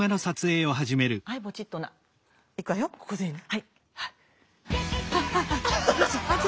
ここでいいの？